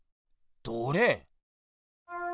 どれ？